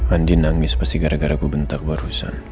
andi nangis pasti gara gara ku bentak barusan